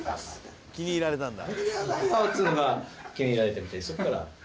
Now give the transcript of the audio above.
「気に入られたんだ」